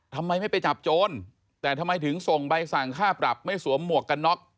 ทำไมไม่ไปจับโจรแต่ทำไมถึงส่งใบสั่งค่าปรับไม่สวมหมวกกันน็อก